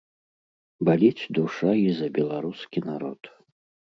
Баліць душа і за беларускі народ.